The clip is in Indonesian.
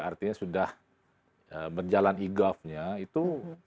artinya sudah berjalan egofnya itu